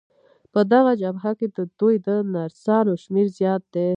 په دغه جبهه کې د دوی د نرسانو شمېر زیات دی.